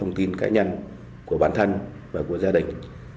thông tin cá nhân của bản thân và của gia đình